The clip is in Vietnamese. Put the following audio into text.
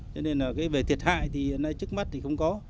cho nên về thiệt hại trức mắt thì không có